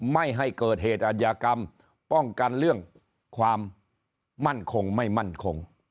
ไม่ให้เกิดเหตุอัธยากรรมป้องกันเรื่องความมั่นคงไม่มั่นคง